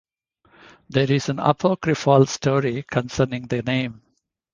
There is an apocryphal story concerning the name.